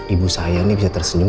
ibu saya ini bisa tersenyum